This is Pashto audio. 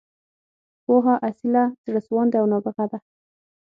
پوهه، اصیله، زړه سواندې او نابغه ده.